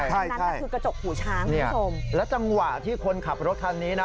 นั่นก็คือกระจกหูช้างที่สมเนี่ยแล้วจังหวะที่คนขับรถคันนี้น่ะ